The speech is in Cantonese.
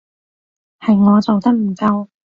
係我做得唔夠